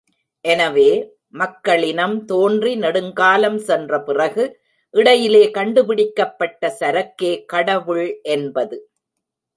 எனவே, மக்களினம் தோன்றி நெடுங்காலம் சென்றபிறகு இடையிலே கண்டுபிடிக்கப்பட்ட சரக்கே கடவுள் என்பது.